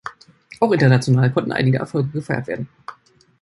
Auch international konnten einige Erfolge gefeiert werden.